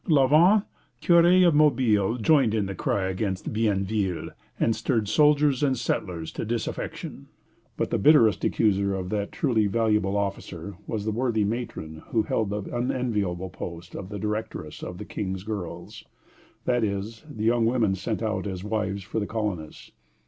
" La Vente, curé of Mobile, joined in the cry against Bienville, and stirred soldiers and settlers to disaffection; but the bitterest accuser of that truly valuable officer was the worthy matron who held the unenviable post of directress of the "King's girls," that is, the young women sent out as wives for the colonists.